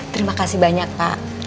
terima kasih banyak pak